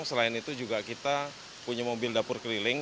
selain itu juga kita punya mobil dapur keliling